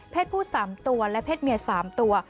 ผู้๓ตัวและเพศเมีย๓ตัว